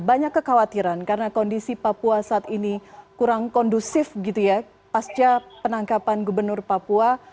banyak kekhawatiran karena kondisi papua saat ini kurang kondusif gitu ya pasca penangkapan gubernur papua